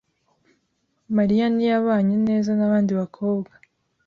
Mariya ntiyabanye neza nabandi bakobwa.